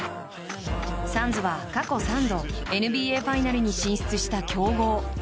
サンズは過去３度ＮＢＡファイナルに進出した強豪。